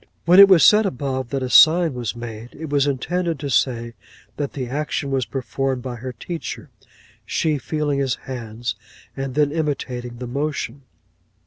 'When it was said above that a sign was made, it was intended to say, that the action was performed by her teacher, she feeling his hands, and then imitating the motion.